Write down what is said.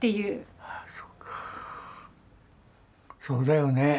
そうだよね。